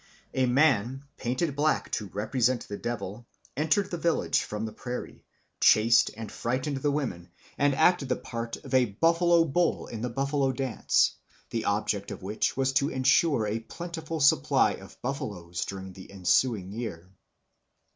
A man, painted black to represent the devil, entered the village from the prairie, chased and frightened the women, and acted the part of a buffalo bull in the buffalo dance, the object of which was to ensure a plentiful supply of buffaloes during the ensuing year.